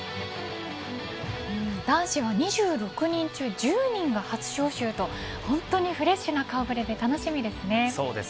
男子は２６人中１０人が初招集と、本当にフレッシュな顔触れで楽しみです。